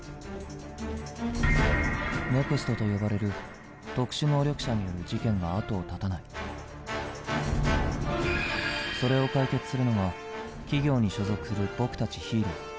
「ＮＥＸＴ」と呼ばれる特殊能力者による事件が後を絶たないそれを解決するのが企業に所属する僕たち「ヒーロー」。